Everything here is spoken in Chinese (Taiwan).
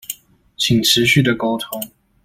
請持續的溝通